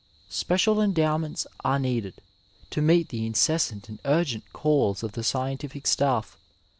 Special endowments are needed to meet the incessant and urgent calls of the scientific staff.